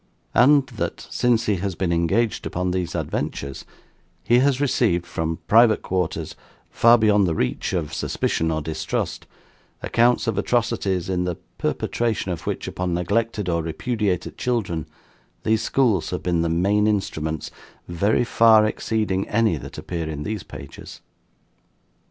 And that, since he has been engaged upon these Adventures, he has received, from private quarters far beyond the reach of suspicion or distrust, accounts of atrocities, in the perpetration of which upon neglected or repudiated children, these schools have been the main instruments, very far exceeding any that appear in these pages."